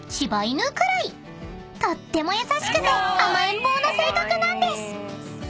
［とっても優しくて甘えん坊な性格なんです］